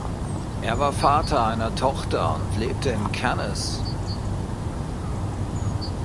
Er war Vater einer Tochter und lebte in Cannes.